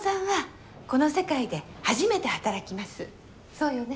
そうよね？